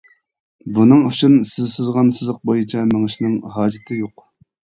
بۇنىڭ ئۈچۈن سىز سىزغان سىزىق بويىچە مېڭىشىنىڭ ھاجىتى يوق.